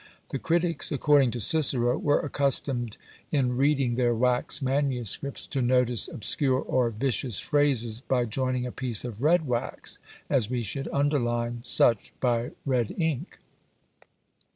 The critics, according to Cicero, were accustomed in reading their wax manuscripts to notice obscure or vicious phrases by joining a piece of red wax, as we should underline such by red ink.